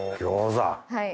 はい。